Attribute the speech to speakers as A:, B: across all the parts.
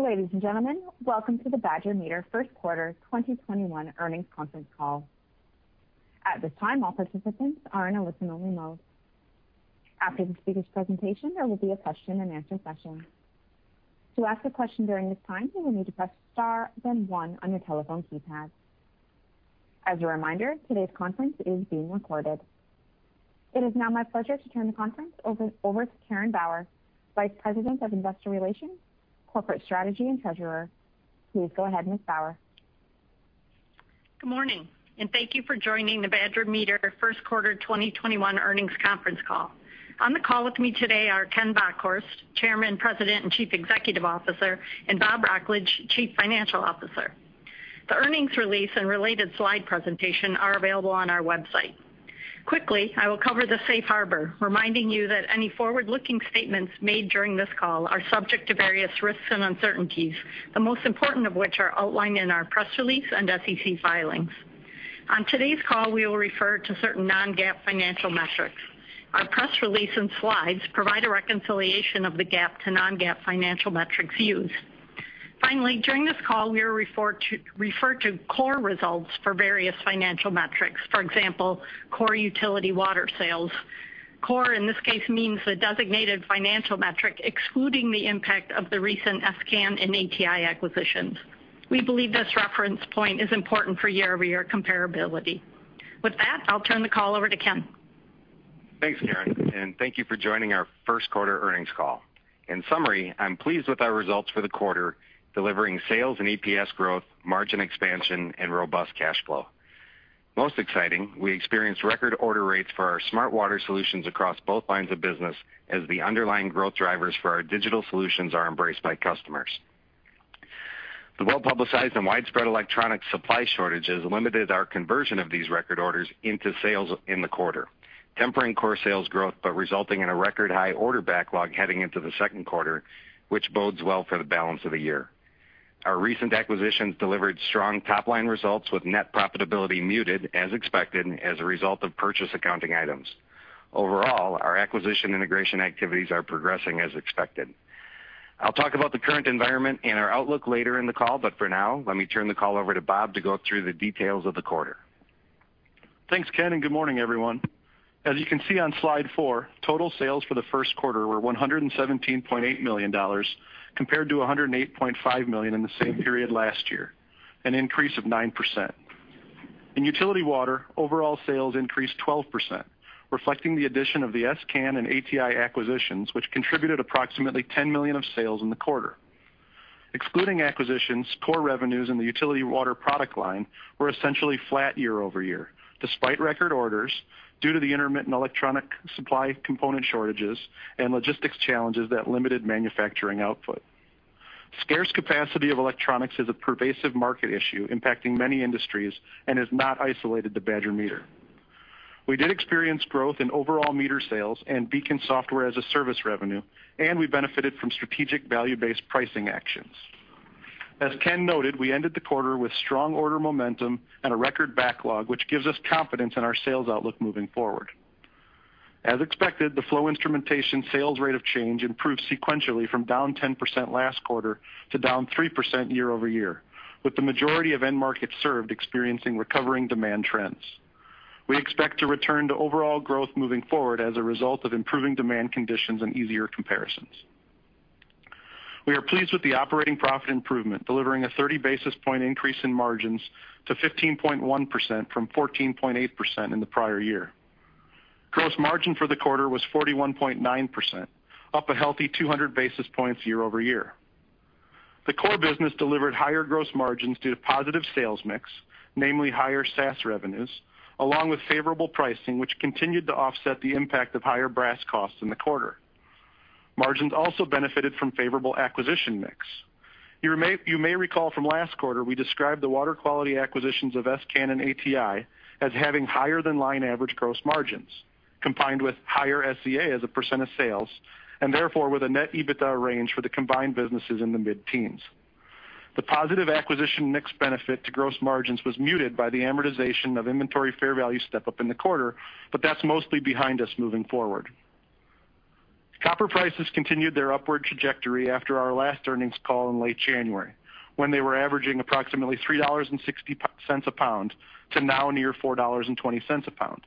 A: Ladies and gentlemen, welcome to the Badger Meter first quarter 2021 earnings conference call. At this time, all participants are in a listen only mode. After the speaker's presentation, there will be a question and answer session. To ask a question during this time, you will need to press star, then one on your telephone keypad. As a reminder, today's conference is being recorded. It is now my pleasure to turn the conference over to Karen Bauer, Vice President of Investor Relations, Corporate Strategy, and Treasurer. Please go ahead, Ms. Bauer.
B: Good morning, and thank you for joining the Badger Meter first quarter 2021 earnings conference call. On the call with me today are Ken Bockhorst, Chairman, President, and Chief Executive Officer, and Bob Wrocklage, Chief Financial Officer. The earnings release and related slide presentation are available on our website. Quickly, I will cover the safe harbor, reminding you that any forward-looking statements made during this call are subject to various risks and uncertainties, the most important of which are outlined in our press release and SEC filings. On today's call, we will refer to certain non-GAAP financial metrics. Our press release and slides provide a reconciliation of the GAAP to non-GAAP financial metrics used. Finally, during this call, we will refer to core results for various financial metrics. For example, core utility water sales. Core, in this case, means the designated financial metric excluding the impact of the recent s::can and ATI acquisitions. We believe this reference point is important for year-over-year comparability. With that, I'll turn the call over to Ken.
C: Thanks, Karen, and thank you for joining our first quarter earnings call. In summary, I'm pleased with our results for the quarter, delivering sales and EPS growth, margin expansion, and robust cash flow. Most exciting, we experienced record order rates for our smart water solutions across both lines of business as the underlying growth drivers for our digital solutions are embraced by customers. The well-publicized and widespread electronic supply shortages limited our conversion of these record orders into sales in the quarter, tempering core sales growth, but resulting in a record high order backlog heading into the second quarter, which bodes well for the balance of the year. Our recent acquisitions delivered strong top-line results with net profitability muted, as expected, as a result of purchase accounting items. Overall, our acquisition integration activities are progressing as expected. I'll talk about the current environment and our outlook later in the call, but for now, let me turn the call over to Bob to go through the details of the quarter.
D: Thanks, Ken, and good morning, everyone. As you can see on slide four, total sales for the first quarter were $117.8 million compared to $108.5 million in the same period last year, an increase of 9%. In utility water, overall sales increased 12%, reflecting the addition of the s::can and ATI acquisitions, which contributed approximately $10 million of sales in the quarter. Excluding acquisitions, core revenues in the utility water product line were essentially flat year-over-year, despite record orders due to the intermittent electronic supply component shortages and logistics challenges that limited manufacturing output. Scarce capacity of electronics is a pervasive market issue impacting many industries and has not isolated the Badger Meter. We did experience growth in overall meter sales and BEACON software-as-a-service revenue, and we benefited from strategic value-based pricing actions. As Ken noted, we ended the quarter with strong order momentum and a record backlog, which gives us confidence in our sales outlook moving forward. As expected, the flow instrumentation sales rate of change improved sequentially from down 10% last quarter to down 3% year-over-year, with the majority of end markets served experiencing recovering demand trends. We expect to return to overall growth moving forward as a result of improving demand conditions and easier comparisons. We are pleased with the operating profit improvement, delivering a 30 basis point increase in margins to 15.1% from 14.8% in the prior year. Gross margin for the quarter was 41.9%, up a healthy 200 basis points year-over-year. The core business delivered higher gross margins due to positive sales mix, namely higher SaaS revenues, along with favorable pricing, which continued to offset the impact of higher brass costs in the quarter. Margins also benefited from favorable acquisition mix. You may recall from last quarter, we described the water quality acquisitions of s::can and ATI as having higher than line average gross margins, combined with higher SEA as a percent of sales, and therefore with a net EBITDA range for the combined businesses in the mid-teens. The positive acquisition mix benefit to gross margins was muted by the amortization of inventory fair value step up in the quarter, but that's mostly behind us moving forward. Copper prices continued their upward trajectory after our last earnings call in late January, when they were averaging approximately $3.60 a pound to now near $4.20 a pound.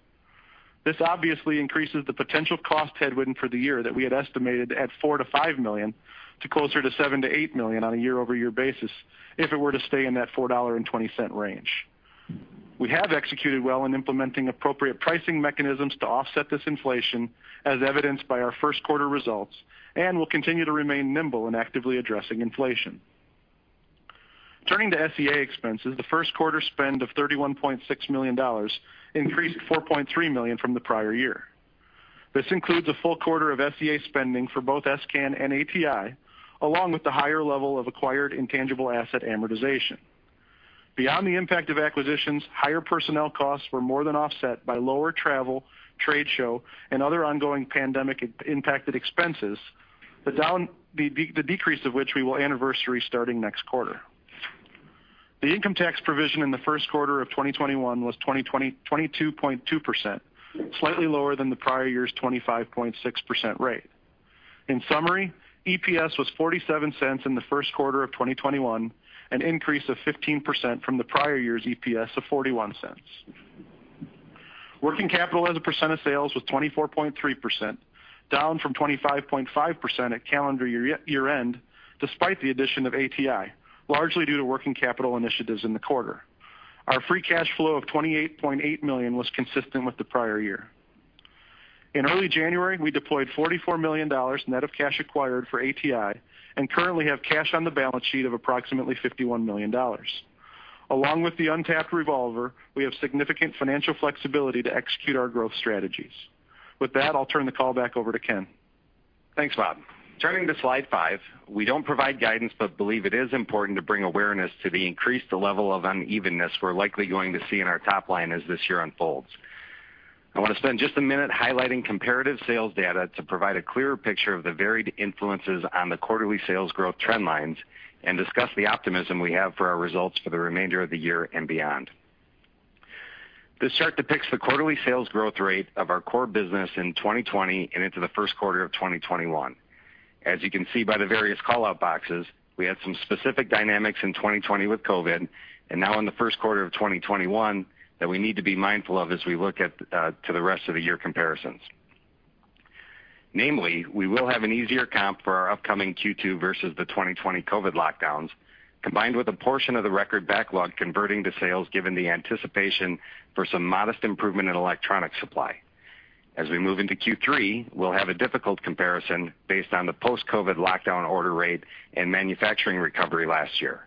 D: This obviously increases the potential cost headwind for the year that we had estimated at $4 million-$5 million to closer to $7 million-$8 million on a year-over-year basis if it were to stay in that $4.20 range. We have executed well in implementing appropriate pricing mechanisms to offset this inflation, as evidenced by our first quarter results, and will continue to remain nimble in actively addressing inflation. Turning to SEA expenses, the first quarter spend of $31.6 million increased $4.3 million from the prior year. This includes a full quarter of SEA spending for both s::can and ATI, along with the higher level of acquired intangible asset amortization. Beyond the impact of acquisitions, higher personnel costs were more than offset by lower travel, trade show, and other ongoing pandemic impacted expenses, the decrease of which we will anniversary starting next quarter. The income tax provision in the first quarter of 2021 was 22.2%, slightly lower than the prior year's 25.6% rate. In summary, EPS was $0.47 in the first quarter of 2021, an increase of 15% from the prior year's EPS of $0.41. Working capital as a percent of sales was 24.3%, down from 25.5% at calendar year-end, despite the addition of ATI, largely due to working capital initiatives in the quarter. Our free cash flow of $28.8 million was consistent with the prior year. In early January, we deployed $44 million net of cash acquired for ATI, and currently have cash on the balance sheet of approximately $51 million. Along with the untapped revolver, we have significant financial flexibility to execute our growth strategies. With that, I'll turn the call back over to Ken.
C: Thanks, Bob. Turning to slide five. We don't provide guidance, but believe it is important to bring awareness to the increased level of unevenness we're likely going to see in our top line as this year unfolds. I want to spend just a minute highlighting comparative sales data to provide a clearer picture of the varied influences on the quarterly sales growth trend lines, and discuss the optimism we have for our results for the remainder of the year and beyond. This chart depicts the quarterly sales growth rate of our core business in 2020 and into the first quarter of 2021. As you can see by the various call-out boxes, we had some specific dynamics in 2020 with COVID, and now in the first quarter of 2021, that we need to be mindful of as we look to the rest of the year comparisons. Namely, we will have an easier comp for our upcoming Q2 versus the 2020 COVID lockdowns, combined with a portion of the record backlog converting to sales given the anticipation for some modest improvement in electronic supply. As we move into Q3, we'll have a difficult comparison based on the post-COVID lockdown order rate and manufacturing recovery last year.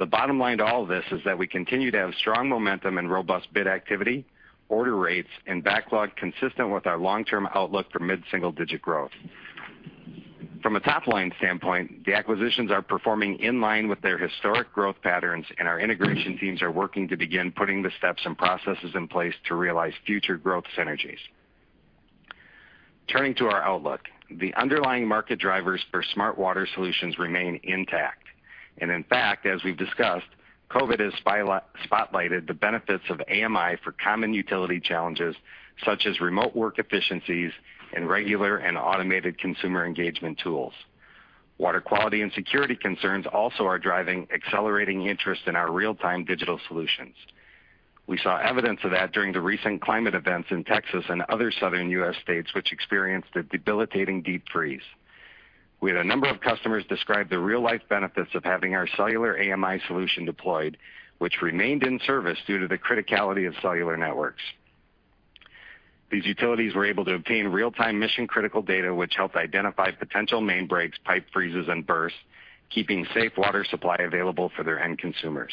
C: The bottom line to all of this is that we continue to have strong momentum and robust bid activity, order rates, and backlog consistent with our long-term outlook for mid-single-digit growth. From a top-line standpoint, the acquisitions are performing in line with their historic growth patterns, and our integration teams are working to begin putting the steps and processes in place to realize future growth synergies. Turning to our outlook. The underlying market drivers for smart water solutions remain intact. In fact, as we've discussed, COVID has spotlighted the benefits of AMI for common utility challenges, such as remote work efficiencies and regular and automated consumer engagement tools. Water quality and security concerns also are driving accelerating interest in our real-time digital solutions. We saw evidence of that during the recent climate events in Texas and other Southern U.S. states, which experienced a debilitating deep freeze. We had a number of customers describe the real-life benefits of having our cellular AMI solution deployed, which remained in service due to the criticality of cellular networks. These utilities were able to obtain real-time mission-critical data, which helped identify potential main breaks, pipe freezes, and bursts, keeping safe water supply available for their end consumers.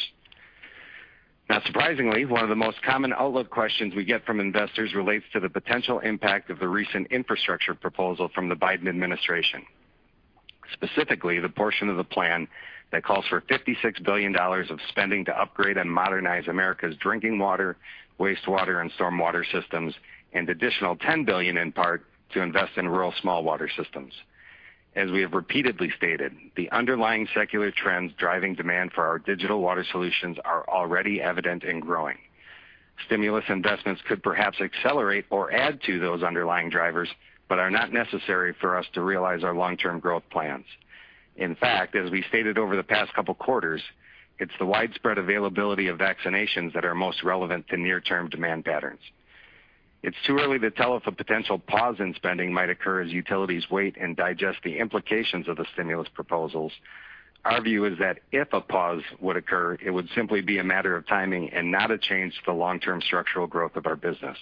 C: Not surprisingly, one of the most common outlook questions we get from investors relates to the potential impact of the recent infrastructure proposal from the Biden administration, specifically the portion of the plan that calls for $56 billion of spending to upgrade and modernize America's drinking water, wastewater, and storm water systems, and additional $10 billion in part to invest in rural small water systems. As we have repeatedly stated, the underlying secular trends driving demand for our digital water solutions are already evident and growing. Stimulus investments could perhaps accelerate or add to those underlying drivers, but are not necessary for us to realize our long-term growth plans. In fact, as we stated over the past couple quarters, it's the widespread availability of vaccinations that are most relevant to near-term demand patterns. It's too early to tell if a potential pause in spending might occur as utilities wait and digest the implications of the stimulus proposals. Our view is that if a pause would occur, it would simply be a matter of timing and not a change to the long-term structural growth of our business.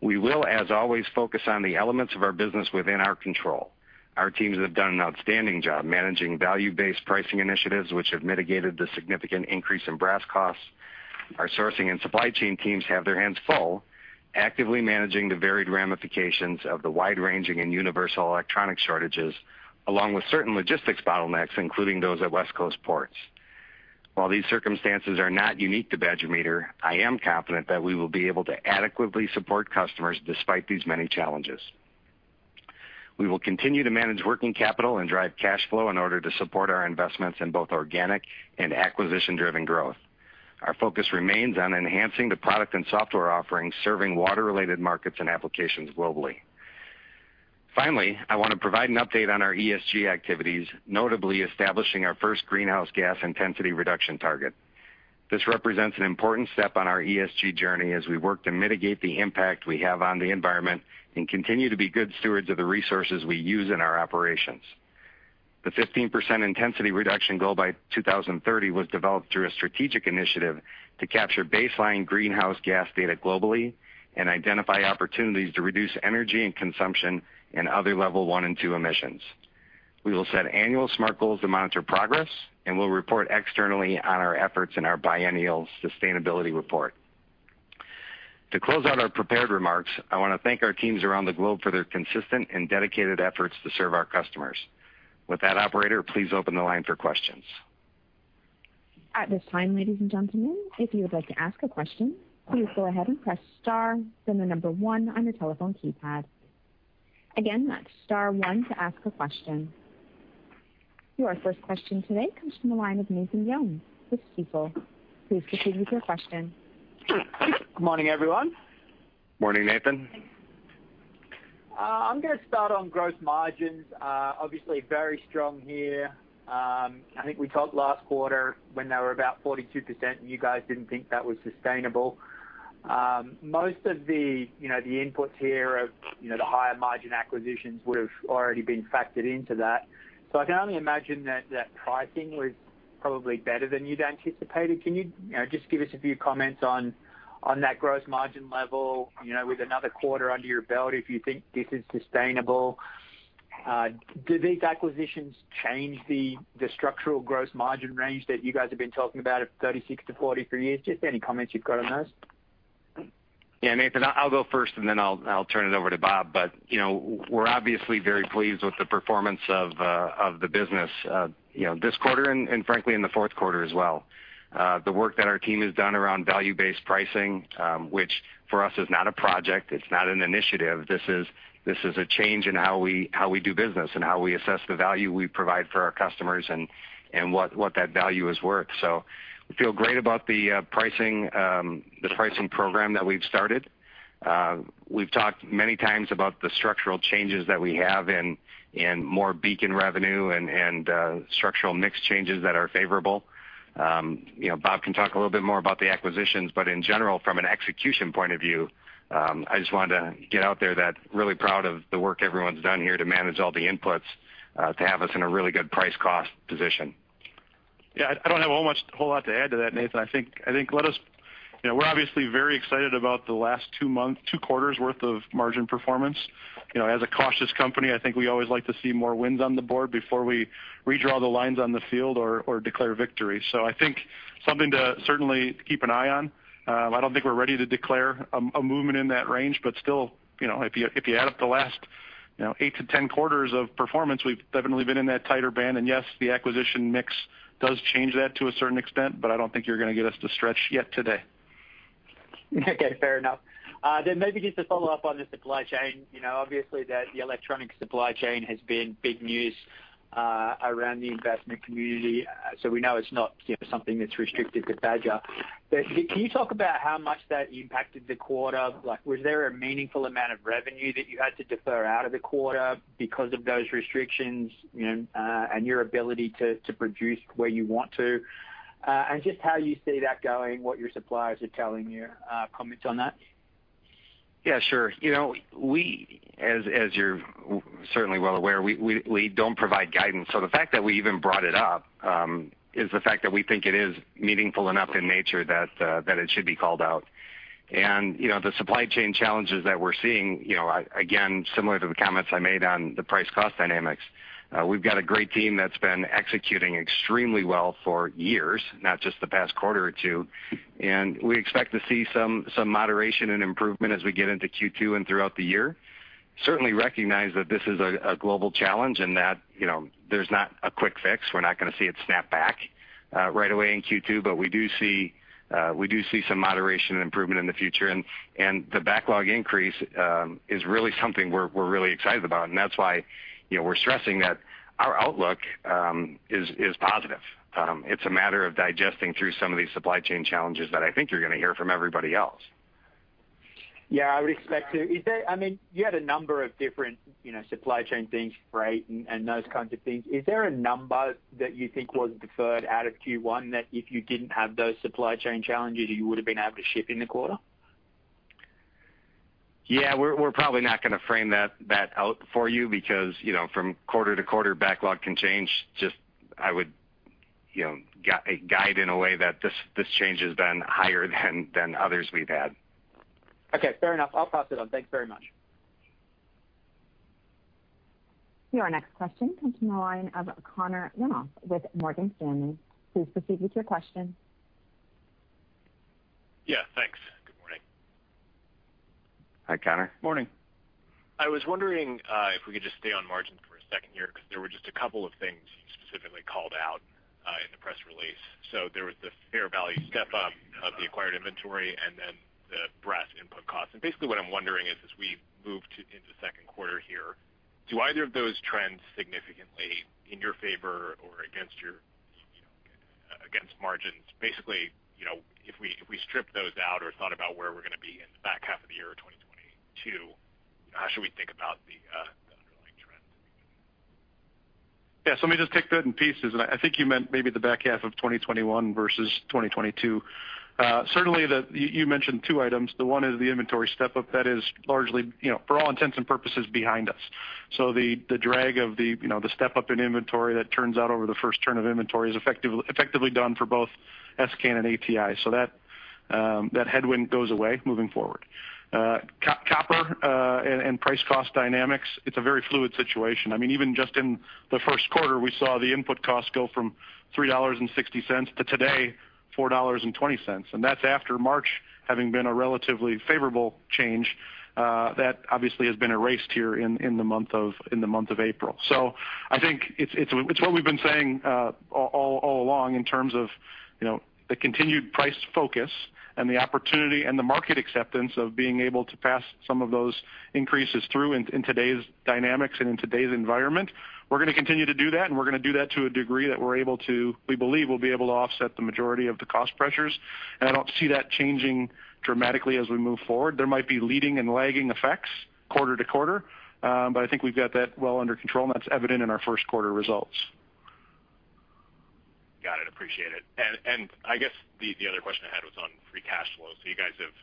C: We will, as always, focus on the elements of our business within our control. Our teams have done an outstanding job managing value-based pricing initiatives, which have mitigated the significant increase in brass costs. Our sourcing and supply chain teams have their hands full, actively managing the varied ramifications of the wide-ranging and universal electronic shortages, along with certain logistics bottlenecks, including those at West Coast ports. While these circumstances are not unique to Badger Meter, I am confident that we will be able to adequately support customers despite these many challenges. We will continue to manage working capital and drive cash flow in order to support our investments in both organic and acquisition-driven growth. Our focus remains on enhancing the product and software offerings, serving water-related markets and applications globally. Finally, I want to provide an update on our ESG activities, notably establishing our first greenhouse gas intensity reduction target. This represents an important step on our ESG journey as we work to mitigate the impact we have on the environment and continue to be good stewards of the resources we use in our operations. The 15% intensity reduction goal by 2030 was developed through a strategic initiative to capture baseline greenhouse gas data globally and identify opportunities to reduce energy and consumption and other level one and two emissions. We will set annual smart goals to monitor progress, and we'll report externally on our efforts in our biennial sustainability report. To close out our prepared remarks, I want to thank our teams around the globe for their consistent and dedicated efforts to serve our customers. With that, operator, please open the line for questions.
A: At this time, ladies and gentlemen, if you would like to ask a question, please go ahead and press star then the number one on your telephone keypad. Again, that's star one to ask a question. Your first question today comes from the line of Nathan Jones with Stifel. Please proceed with your question.
E: Good morning, everyone.
C: Morning, Nathan.
E: I'm going to start on gross margins. Obviously very strong here. I think we talked last quarter when they were about 42%, and you guys didn't think that was sustainable. Most of the inputs here of the higher margin acquisitions would've already been factored into that. I can only imagine that pricing was probably better than you'd anticipated. Can you just give us a few comments on that gross margin level, with another quarter under your belt, if you think this is sustainable? Do these acquisitions change the structural gross margin range that you guys have been talking about of 36%-43%? Just any comments you've got on those.
C: Yeah, Nathan, I'll go first and then I'll turn it over to Bob. We're obviously very pleased with the performance of the business this quarter, and frankly, in the fourth quarter as well. The work that our team has done around value-based pricing, which for us is not a project, it's not an initiative. This is a change in how we do business and how we assess the value we provide for our customers and what that value is worth. We feel great about the pricing program that we've started. We've talked many times about the structural changes that we have in more BEACON revenue and structural mix changes that are favorable. Bob can talk a little bit more about the acquisitions, but in general, from an execution point of view, I just wanted to get out there that really proud of the work everyone's done here to manage all the inputs, to have us in a really good price-cost position.
D: Yeah. I don't have a whole lot to add to that, Nathan. We're obviously very excited about the last two quarters worth of margin performance. As a cautious company, I think we always like to see more wins on the board before we redraw the lines on the field or declare victory. I think something to certainly keep an eye on. I don't think we're ready to declare a movement in that range, but still, if you add up the last eight to 10 quarters of performance, we've definitely been in that tighter band. Yes, the acquisition mix does change that to a certain extent, but I don't think you're going to get us to stretch yet today.
E: Okay, fair enough. Maybe just to follow up on the supply chain, obviously the electronic supply chain has been big news around the investment community, we know it's not something that's restricted to Badger. Can you talk about how much that impacted the quarter? Was there a meaningful amount of revenue that you had to defer out of the quarter because of those restrictions and your ability to produce where you want to? Just how you see that going, what your suppliers are telling you, comments on that.
C: Sure. As you're certainly well aware, we don't provide guidance. The fact that we even brought it up, is the fact that we think it is meaningful enough in nature that it should be called out. The supply chain challenges that we're seeing, again, similar to the comments I made on the price-cost dynamics. We've got a great team that's been executing extremely well for years, not just the past quarter or two. We expect to see some moderation and improvement as we get into Q2 and throughout the year. Certainly recognize that this is a global challenge and that there's not a quick fix. We're not going to see it snap back right away in Q2. We do see some moderation and improvement in the future. The backlog increase is really something we're really excited about, and that's why we're stressing that our outlook is positive. It's a matter of digesting through some of these supply chain challenges that I think you're going to hear from everybody else.
E: Yeah, I would expect to. You had a number of different supply chain things, freight and those kinds of things. Is there a number that you think was deferred out of Q1 that if you didn't have those supply chain challenges, you would've been able to ship in the quarter?
C: Yeah, we're probably not going to frame that out for you because from quarter to quarter, backlog can change. Just I would guide in a way that this change has been higher than others we've had.
E: Okay. Fair enough. I'll pass it on. Thanks very much.
A: Your next question comes from the line of Connor Lynagh with Morgan Stanley. Please proceed with your question.
F: Yeah, thanks. Good morning.
C: Hi, Connor.
D: Morning.
F: I was wondering if we could just stay on margins for a second here, because there were just a couple of things you specifically called out in the press release. There was the fair value step up of the acquired inventory and then the brass input costs. Basically what I'm wondering is as we move into second quarter here, do either of those trends significantly in your favor or against margins? Basically, if we strip those out or thought about where we're going to be in the back half of the year of 2022, how should we think about the underlying trends?
D: Yeah. Let me just take that in pieces, and I think you meant maybe the back half of 2021 versus 2022. Certainly you mentioned two items. The one is the inventory step-up that is largely, for all intents and purposes behind us. The drag of the step-up in inventory that turns out over the first turn of inventory is effectively done for both s::can and ATI. That headwind goes away moving forward. Copper and price cost dynamics, it's a very fluid situation. Even just in the first quarter, we saw the input cost go from $3.60 to today, $4.20. That's after March having been a relatively favorable change. That obviously has been erased here in the month of April. I think it's what we've been saying all along in terms of the continued price focus and the opportunity and the market acceptance of being able to pass some of those increases through in today's dynamics and in today's environment. We're going to continue to do that, and we're going to do that to a degree that we believe we'll be able to offset the majority of the cost pressures. I don't see that changing dramatically as we move forward. There might be leading and lagging effects quarter to quarter. I think we've got that well under control, and that's evident in our first quarter results.
F: I guess the other question I had was on free cash flow. You guys have,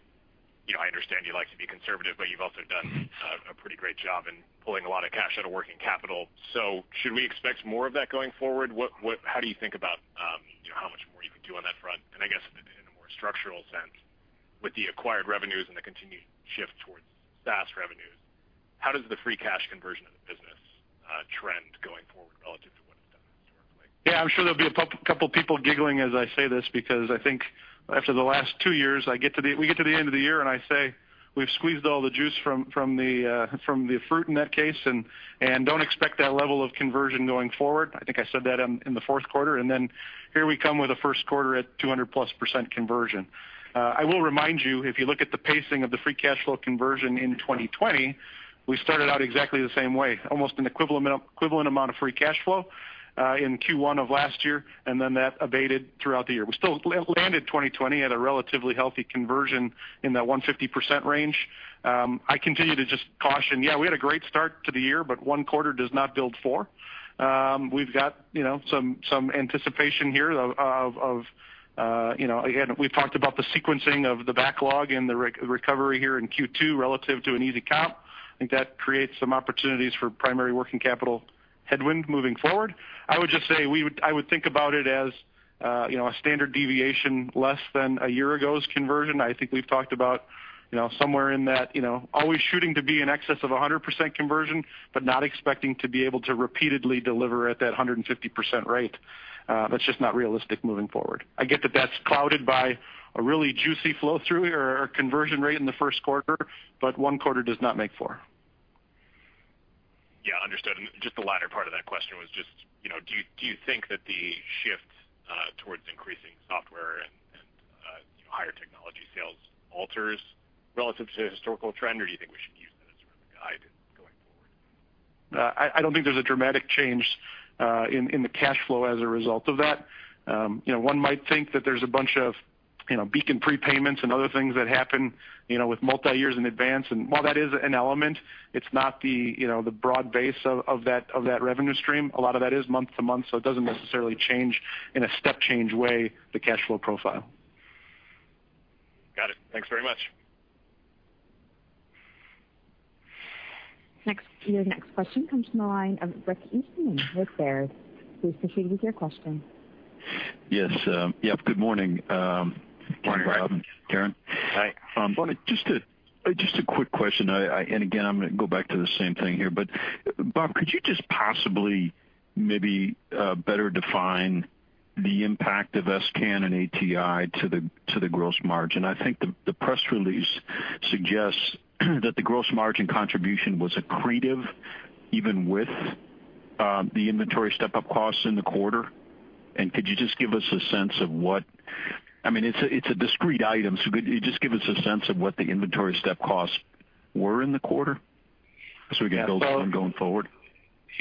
F: I understand you like to be conservative, but you've also done a pretty great job in pulling a lot of cash out of working capital. Should we expect more of that going forward? How do you think about how much more you can do on that front? I guess in a more structural sense, with the acquired revenues and the continued shift towards SaaS revenues, how does the free cash conversion of the business trend going forward relative to what it's done historically?
D: Yeah, I'm sure there'll be a couple of people giggling as I say this, because I think after the last two years, we get to the end of the year and I say we've squeezed all the juice from the fruit in that case, and don't expect that level of conversion going forward. I think I said that in the fourth quarter, then here we come with a first quarter at 200-plus% conversion. I will remind you, if you look at the pacing of the free cash flow conversion in 2020, we started out exactly the same way, almost an equivalent amount of free cash flow in Q1 of last year, then that abated throughout the year. We still landed 2020 at a relatively healthy conversion in that 150% range. I continue to just caution. Yeah, we had a great start to the year, but one quarter does not build four. We've got some anticipation here of, again, we've talked about the sequencing of the backlog and the recovery here in Q2 relative to an easy comp. I think that creates some opportunities for primary working capital headwind moving forward. I would just say, I would think about it as a standard deviation less than a year ago's conversion. I think we've talked about somewhere in that always shooting to be in excess of 100% conversion, but not expecting to be able to repeatedly deliver at that 150% rate. That's just not realistic moving forward. I get that that's clouded by a really juicy flow-through here or conversion rate in the first quarter, but one quarter does not make four.
F: Yeah. Understood. Just the latter part of that question was just, do you think that the shift towards increasing software and higher technology sales alters relative to historical trend, or do you think we should use that as sort of a guide going forward?
D: I don't think there's a dramatic change in the cash flow as a result of that. One might think that there's a bunch of BEACON prepayments and other things that happen with multi-years in advance. While that is an element, it's not the broad base of that revenue stream. A lot of that is month to month, it doesn't necessarily change in a step change way the cash flow profile.
F: Got it. Thanks very much.
A: Your next question comes from the line of Rick Eastman with Baird. Please proceed with your question.
G: Yes. Good morning.
D: Morning, Rick.
G: Karen.
D: Hi.
G: Just a quick question. Again, I'm going to go back to the same thing here. Bob, could you just possibly maybe better define the impact of s::can and ATI to the gross margin? I think the press release suggests that the gross margin contribution was accretive even with the inventory step-up costs in the quarter. It's a discrete item, so could you just give us a sense of what the inventory step costs were in the quarter so we can build that going forward?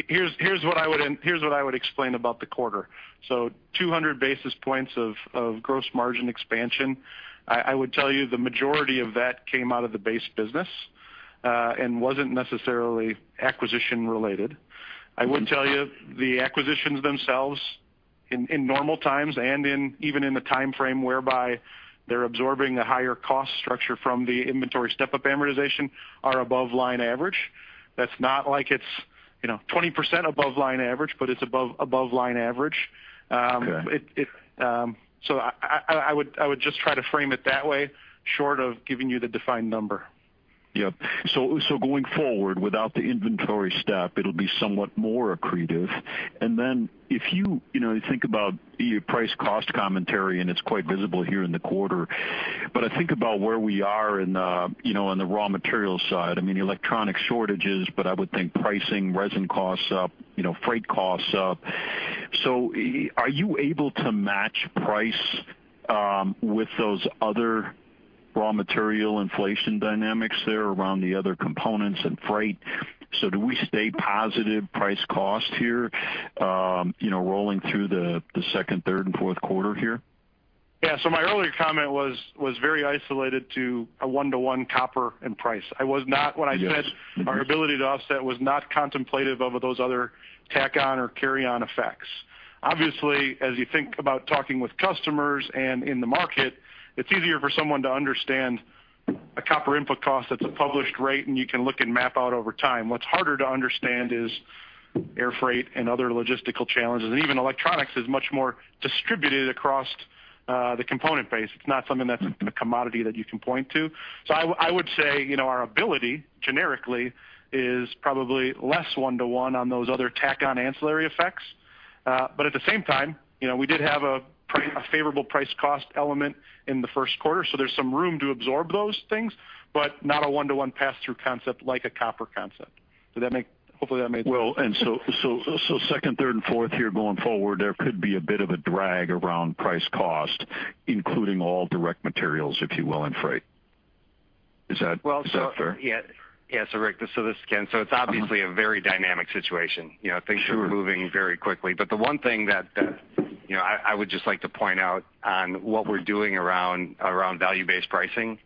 D: Here's what I would explain about the quarter: 200 basis points of gross margin expansion. I would tell you the majority of that came out of the base business and wasn't necessarily acquisition related. I would tell you the acquisitions themselves in normal times and even in the time frame whereby they're absorbing a higher cost structure from the inventory step-up amortization are above line average. That's not like it's 20% above line average, but it's above line average.
G: Okay.
D: I would just try to frame it that way, short of giving you the defined number.
G: Yep. Going forward without the inventory step, it'll be somewhat more accretive. If you think about your price cost commentary, and it's quite visible here in the quarter, but I think about where we are on the raw material side. Electronic shortages, but I would think pricing resin costs up, freight costs up. Are you able to match price with those other raw material inflation dynamics there around the other components and freight? Do we stay positive price cost here rolling through the second, third, and fourth quarter here?
D: Yeah. My earlier comment was very isolated to a one-to-one copper end price.
G: Yes
D: our ability to offset was not contemplated of those other tack-on or carry-on effects. Obviously, as you think about talking with customers and in the market, it's easier for someone to understand a copper input cost that's a published rate and you can look and map out over time. What's harder to understand is air freight and other logistical challenges, and even electronics is much more distributed across the component base. It's not something that's a commodity that you can point to. I would say our ability generically is probably less one-to-one on those other tack-on ancillary effects. At the same time, we did have a favorable price cost element in the first quarter, so there's some room to absorb those things, but not a one-to-one pass-through concept like a copper concept. Hopefully that made sense.
G: Well, second, third and fourth here going forward, there could be a bit of a drag around price cost, including all direct materials, if you will, and freight. Is that fair?
C: Yeah. Rick, this again, it's obviously a very dynamic situation.
G: Sure.
C: Things are moving very quickly. I would just like to point out on what we're doing around value-based pricing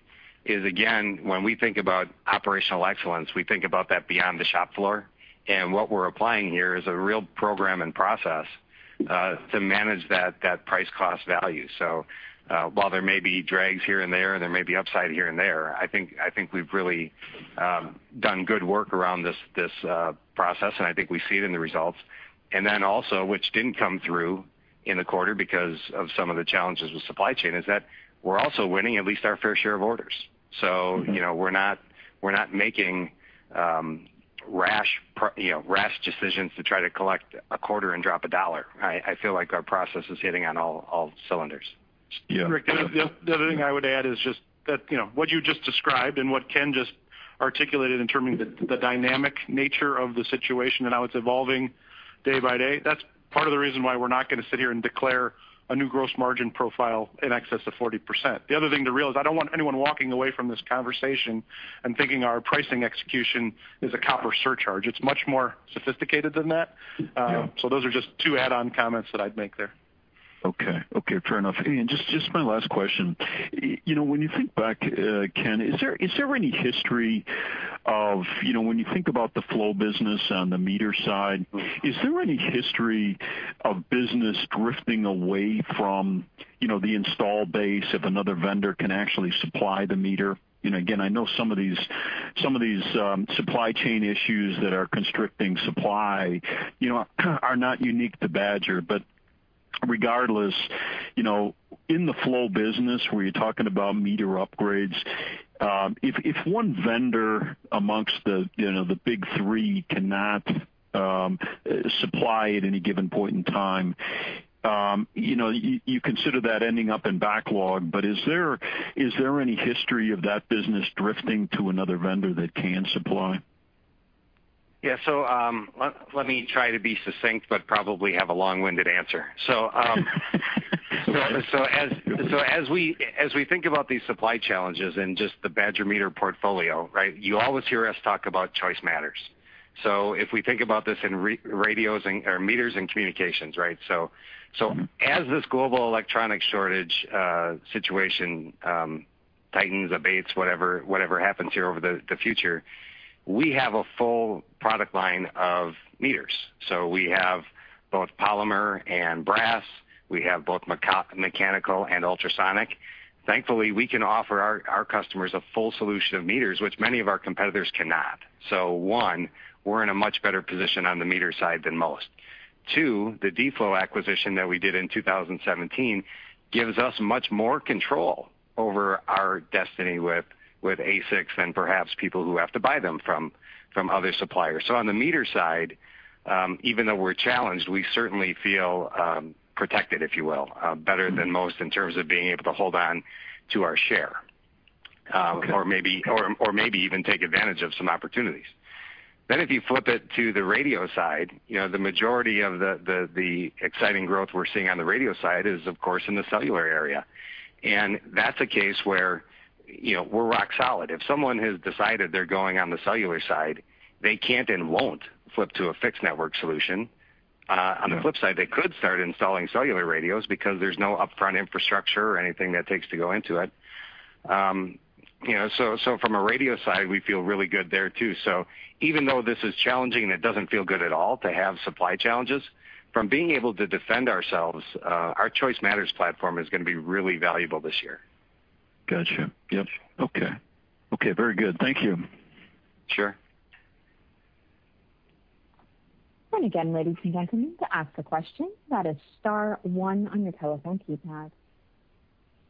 C: is, again, when we think about operational excellence, we think about that beyond the shop floor. What we're applying here is a real program and process to manage that price cost value. While there may be drags here and there, and there may be upside here and there, I think we've really done good work around this process, and I think we see it in the results. Then also, which didn't come through in the quarter because of some of the challenges with supply chain, is that we're also winning at least our fair share of orders. We're not making rash decisions to try to collect a quarter and drop a dollar. I feel like our process is hitting on all cylinders.
G: Yeah.
D: Rick, the other thing I would add is just that what you just described and what Ken just articulated in terms of the dynamic nature of the situation and how it's evolving day by day, that's part of the reason why we're not going to sit here and declare a new gross margin profile in excess of 40%. The other thing to realize, I don't want anyone walking away from this conversation and thinking our pricing execution is a copper surcharge. It's much more sophisticated than that.
G: Yeah.
D: Those are just two add-on comments that I'd make there.
G: Okay. Fair enough. Just my last question. When you think back, Ken, when you think about the flow business on the meter side, is there any history of business drifting away from the install base if another vendor can actually supply the meter? Again, I know some of these supply chain issues that are constricting supply are not unique to Badger. Regardless, in the flow business where you're talking about meter upgrades, if one vendor amongst the big three cannot supply at any given point in time, you consider that ending up in backlog. Is there any history of that business drifting to another vendor that can supply?
C: Yeah. Let me try to be succinct, but probably have a long-winded answer. As we think about these supply challenges and just the Badger Meter portfolio, you always hear us talk about Choice Matters. If we think about this in meters and communications. As this global electronic shortage situation tightens, abates, whatever happens here over the future, we have a full product line of meters. We have both polymer and brass. We have both mechanical and ultrasonic. Thankfully, we can offer our customers a full solution of meters, which many of our competitors cannot. One, we're in a much better position on the meter side than most. Two, the D-Flow acquisition that we did in 2017 gives us much more control over our destiny with ASICs than perhaps people who have to buy them from other suppliers. On the meter side, even though we're challenged, we certainly feel protected, if you will, better than most in terms of being able to hold on to our share.
G: Okay.
C: Maybe even take advantage of some opportunities. If you flip it to the radio side, the majority of the exciting growth we're seeing on the radio side is, of course, in the cellular area. That's a case where we're rock solid. If someone has decided they're going on the cellular side, they can't and won't flip to a fixed network solution.
G: Yeah.
C: On the flip side, they could start installing cellular radios because there's no upfront infrastructure or anything that takes to go into it. From a radio side, we feel really good there too. Even though this is challenging and it doesn't feel good at all to have supply challenges, from being able to defend ourselves, our Choice Matters platform is going to be really valuable this year.
G: Got you. Yep. Okay. Very good. Thank you.
C: Sure.
A: Again, ladies and gentlemen, to ask a question, that is star one on your telephone keypad.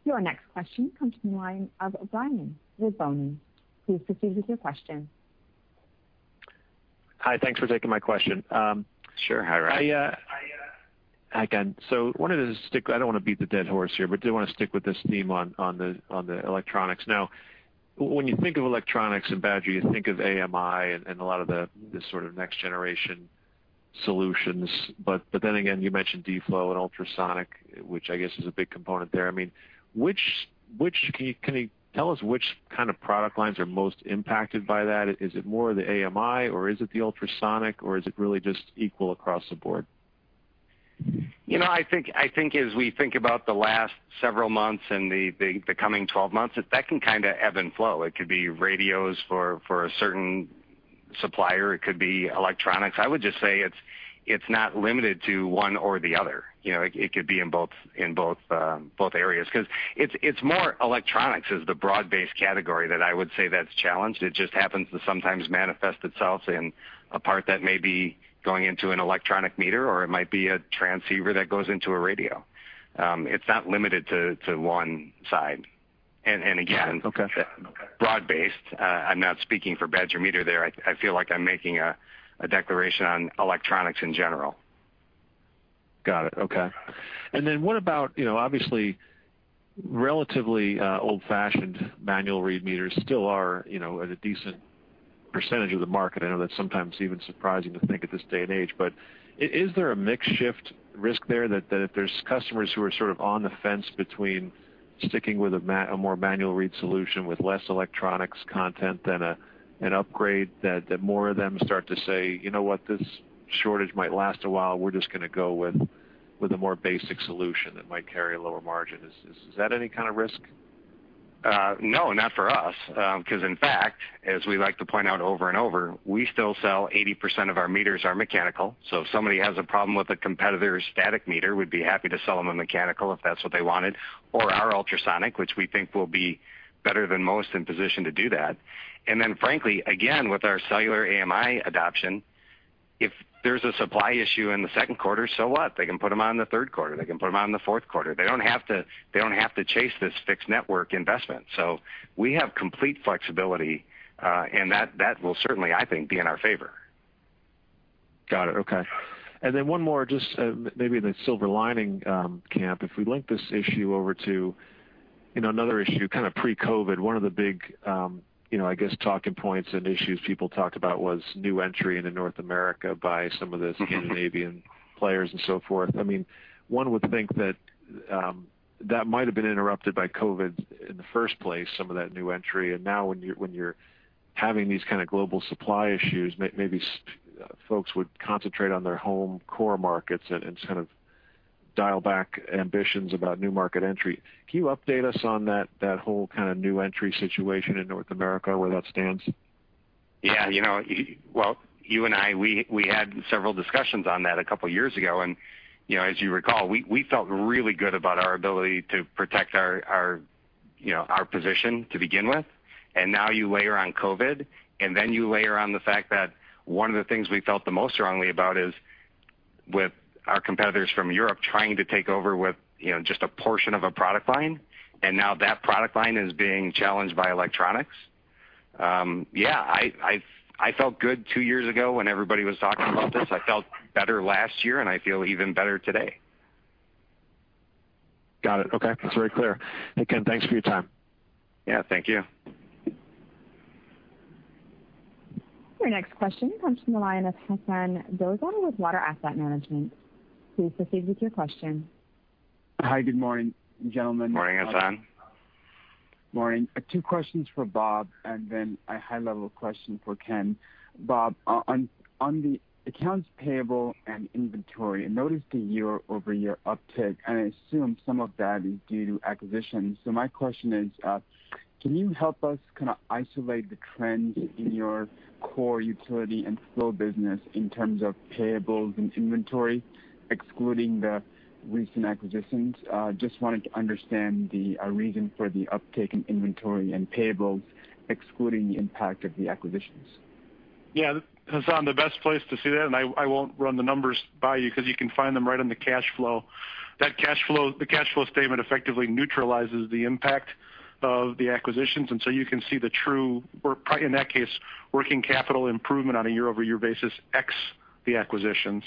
A: Your next question comes from the line of Ryan Connors. Please proceed with your question.
H: Hi, thanks for taking my question.
C: Sure. Hi, Ryan.
H: Hi again. I don't want to beat the dead horse here, but I do want to stick with this theme on the electronics. When you think of electronics and Badger, you think of AMI and a lot of the sort of next generation solutions. Again, you mentioned D-Flow and ultrasonic, which I guess is a big component there. Can you tell us which kind of product lines are most impacted by that? Is it more the AMI, or is it the ultrasonic, or is it really just equal across the board?
C: I think as we think about the last several months and the coming 12 months, that can kind of ebb and flow. It could be radios for a certain supplier, it could be electronics. I would just say it's not limited to one or the other. It could be in both areas because it's more electronics is the broad-based category that I would say that's challenged. It just happens to sometimes manifest itself in a part that may be going into an electronic meter, or it might be a transceiver that goes into a radio. It's not limited to one side.
H: Yeah. Okay.
C: broad-based. I'm not speaking for Badger Meter there. I feel like I'm making a declaration on electronics in general.
H: Got it. Okay. What about, obviously, relatively old-fashioned manual read meters still are at a decent percentage of the market. I know that's sometimes even surprising to think at this day and age. Is there a mix shift risk there that if there's customers who are sort of on the fence between sticking with a more manual read solution with less electronics content than an upgrade, that more of them start to say, "You know what? This shortage might last a while. We're just going to go with a more basic solution that might carry a lower margin." Is that any kind of risk?
C: No, not for us. In fact, as we like to point out over and over, we still sell 80% of our meters are mechanical. If somebody has a problem with a competitor's static meter, we'd be happy to sell them a mechanical if that's what they wanted, or our ultrasonic, which we think will be better than most in position to do that. Frankly, again, with our cellular AMI adoption, if there's a supply issue in the second quarter, so what? They can put them out in the third quarter. They can put them out in the fourth quarter. They don't have to chase this fixed network investment. We have complete flexibility, and that will certainly, I think, be in our favor.
H: Got it. Okay. One more, just maybe the silver lining camp. If we link this issue over to another issue pre-COVID, one of the big talking points and issues people talked about was new entry into North America. Scandinavian players and so forth. One would think that that might have been interrupted by COVID in the first place, some of that new entry. Now when you're having these kind of global supply issues, maybe folks would concentrate on their home core markets instead of dial back ambitions about new market entry. Can you update us on that whole new entry situation in North America, where that stands?
C: Yeah. Well, you and I, we had several discussions on that a couple of years ago. As you recall, we felt really good about our ability to protect our position to begin with. Now you layer on COVID, then you layer on the fact that one of the things we felt the most strongly about is with our competitors from Europe trying to take over with just a portion of a product line. Now that product line is being challenged by electronics. Yeah, I felt good two years ago when everybody was talking about this. I felt better last year, and I feel even better today.
H: Got it. Okay. That's very clear. Hey, Ken, thanks for your time.
C: Yeah. Thank you.
A: Your next question comes from the line of Hasan Doza with Water Asset Management. Please proceed with your question.
I: Hi. Good morning, gentlemen.
C: Morning, Hasan.
I: Morning. Two questions for Bob, and then a high-level question for Ken. Bob, on the accounts payable and inventory, I noticed the year-over-year uptick, and I assume some of that is due to acquisitions. My question is, can you help us kind of isolate the trends in your core utility and flow business in terms of payables and inventory, excluding the recent acquisitions? Just wanted to understand the reason for the uptick in inventory and payables, excluding the impact of the acquisitions.
D: Yeah. Hasan, the best place to see that. I won't run the numbers by you because you can find them right on the cash flow. The cash flow statement effectively neutralizes the impact of the acquisitions. You can see the true, in that case, working capital improvement on a year-over-year basis, ex the acquisitions.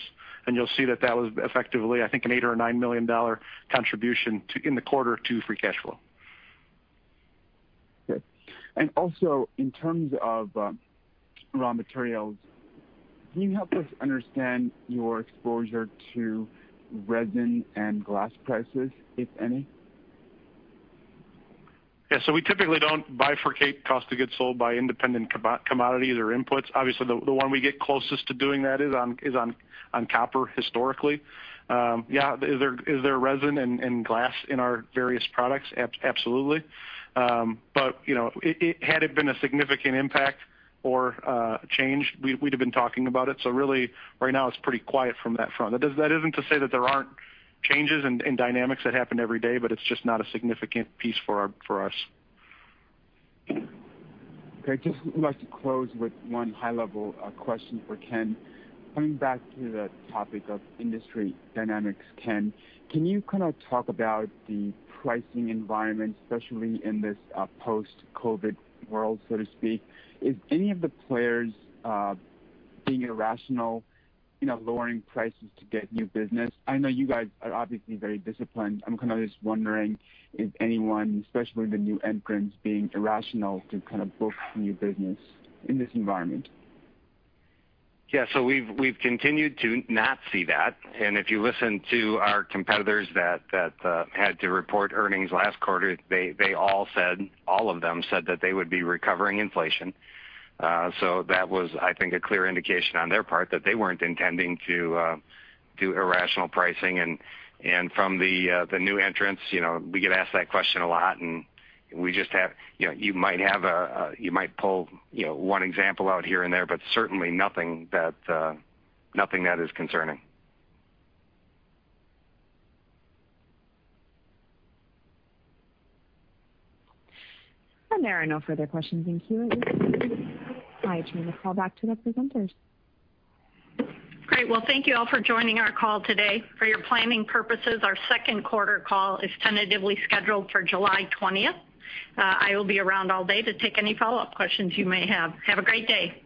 D: You'll see that that was effectively, I think, an $8 million or a $9 million contribution in the quarter to free cash flow.
I: Okay. Also, in terms of raw materials, can you help us understand your exposure to resin and glass prices, if any?
D: Yeah. We typically don't bifurcate cost of goods sold by independent commodities or inputs. Obviously, the one we get closest to doing that is on copper historically. Yeah, is there resin and glass in our various products? Absolutely. Had it been a significant impact or change, we'd have been talking about it. Really right now it's pretty quiet from that front. That isn't to say that there aren't changes and dynamics that happen every day, but it's just not a significant piece for us.
I: Okay. I'd just like to close with one high-level question for Ken. Coming back to the topic of industry dynamics, Ken, can you talk about the pricing environment, especially in this post-COVID world, so to speak? Is any of the players being irrational, lowering prices to get new business? I know you guys are obviously very disciplined. I'm kind of just wondering if anyone, especially the new entrants, being irrational to kind of book new business in this environment.
C: Yeah. We've continued to not see that. If you listen to our competitors that had to report earnings last quarter, they all said, all of them said that they would be recovering inflation. That was, I think, a clear indication on their part that they weren't intending to do irrational pricing. From the new entrants, we get asked that question a lot, and you might pull one example out here and there, but certainly nothing that is concerning.
A: There are no further questions in queue at this time. I turn the call back to the presenters.
B: Great. Well, thank you all for joining our call today. For your planning purposes, our second quarter call is tentatively scheduled for July 20th. I will be around all day to take any follow-up questions you may have. Have a great day.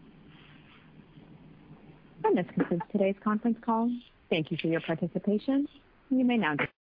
A: This concludes today's conference call. Thank you for your participation. You may now disconnect.